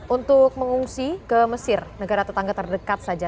untuk mengungsi ke mesir negara tetangga terdekat saja